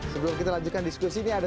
sebelum kita lanjutkan diskusi ini ada